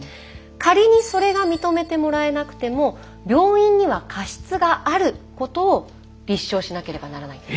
仮にそれが認めてもらえなくても病院には過失があることを立証しなければならないんです。